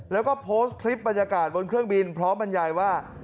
แล้วก็โพสต์คลิปบรรยากาศบนเครื่องบินพร้อมบรรยายว่า